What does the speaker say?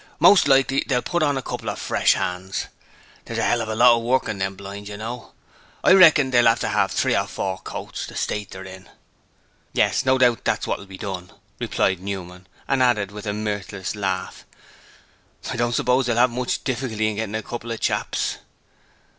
Most likely they'll put on a couple of fresh 'ands. There's a 'ell of a lot of work in all them blinds, you know: I reckon they'll 'ave to 'ave three or four coats, the state they're in.' 'Yes. No doubt that's what will be done,' replied Newman, and added with a mirthless laugh: 'I don't suppose they'll have much difficulty in getting a couple of chaps.'